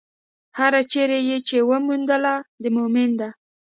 هره چېرې يې چې وموندله، د مؤمن ده.